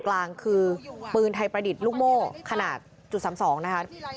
กลางคือปืนไทยประดิษฐ์ลูกโม่ขนาดจุด๓๒นะคะ